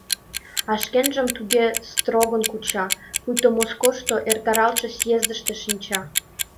А шкенжым туге строгын куча, пуйто Москошто эртаралтше съездыште шинча.